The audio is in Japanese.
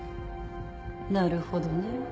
なるほどね。